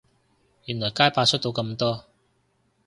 原來街霸出到咁多